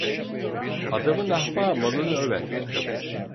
Adamın ahmağı malını över.